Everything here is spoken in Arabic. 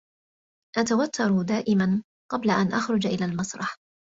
أتوتر دائما قبل أن أخرج إلى المسرح.